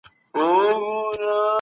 ذهني فشار باید کنټرول شي.